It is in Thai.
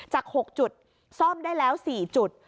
จาก๖จุดซ่อมได้แล้ว๔จุด